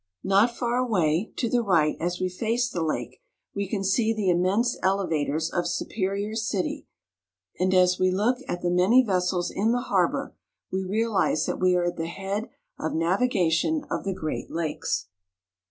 Not far away, to the right as we face the lake, we can see the immense eleva tors of Superior city ; and as we look at the many vessels in the harbor, we realize that we are at the head of navi gation of the Great Lakes.